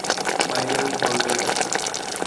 বাইরের হলঘরে আছে।